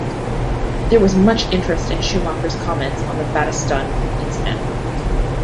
There was much interest in Schumacher's comments on the Battiston incident.